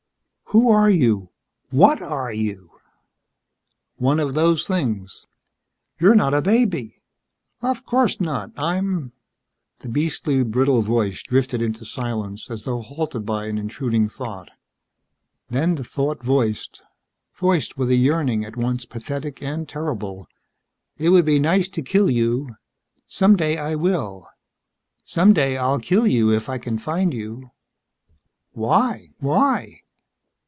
"Who are you? What are you?" "One of those things." "You're not a baby!" "Of course not. I'm ..." The beastly, brittle voice drifted into silence as though halted by an intruding thought. Then the thought voiced voiced with a yearning at once pathetic and terrible: "It would be nice to kill you. Someday I will. Someday I'll kill you if I can find you." "Why? Why?"